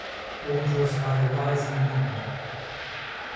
borne to us by the rising wind.